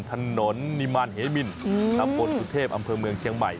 ถนนนิมานเหมินตำบลสุเทพอำเภอเมืองเชียงใหม่